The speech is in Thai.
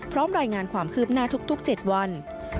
รายงานความคืบหน้าทุก๗วัน